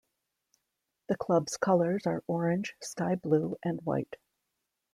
The club's colors are orange, sky blue and white.